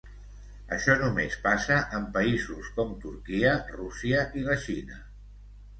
Això només passa en països com Turquia, Rússia i la Xina.